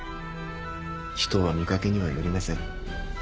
人は見かけにはよりません。